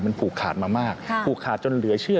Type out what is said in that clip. มันผูกขาดมามากผูกขาดจนเหลือเชื่อ